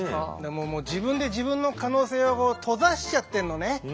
自分で自分の可能性を閉ざしちゃってるのね。